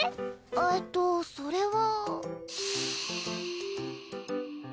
えっとそれは。